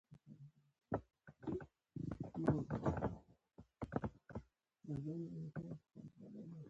سر یې په خپله توره پرې کړ.